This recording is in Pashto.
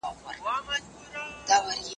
خاوند باید د ټولو ښځو نفقه ورکړي.